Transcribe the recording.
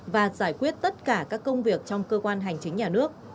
và giải quyết tất cả các công việc trong cơ quan hành chính nhà nước